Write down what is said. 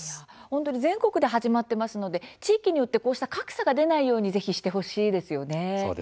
本当に全国で始まっていますので地域によってこうした格差が出ないようにぜひそうですね。